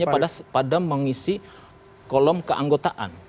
pada mengisi kolom keanggotaan